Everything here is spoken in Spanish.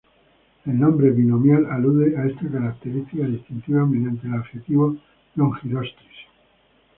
El nombre binomial alude a esta característica distintiva mediante el adjetivo "longirostris".